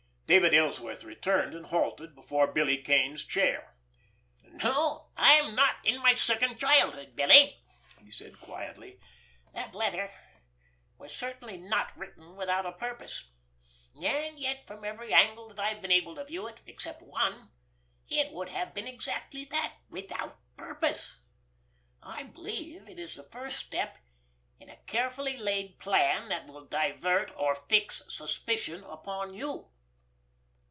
David Ellsworth returned, and halted before Billy Kane's chair. "No, I am not in my second childhood, Billy," he said quietly. "That letter was certainly not written without a purpose; and yet from every angle that I have been able to view it, except one, it would have been exactly that—without purpose. I believe it is the first step in a carefully laid plan that will divert, or fix, suspicion upon you."